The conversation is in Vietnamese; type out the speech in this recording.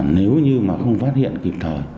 nếu như mà không phát hiện kịp thời